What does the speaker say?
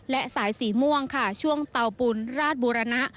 และสายสีม่วงค่ะช่วงเตาปูนราชบุรณะ